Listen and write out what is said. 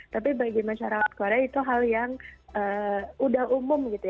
tapi bagi masyarakat korea itu hal yang udah umum gitu ya